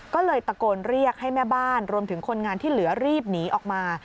ก็เลยตะโกนเรียกให้แม่บ้านรวมถึงคนงานที่เหลือรีบหนีออกมา